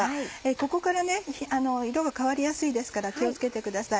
ここから色が変わりやすいですから気を付けてください。